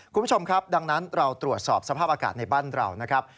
คุณผู้ชมครับดังนั้นเราตรวจสอบสภาพอากาศในบ้านเรานะครับ